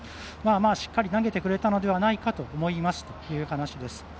しっかり投げてくれたのではないかと思いますという話です。